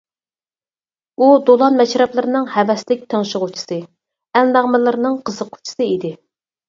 ئۇ دولان مەشرەپلىرىنىڭ ھەۋەسلىك تىڭشىغۇچىسى، ئەلنەغمىلىرىنىڭ قىزىققۇچىسى ئىدى.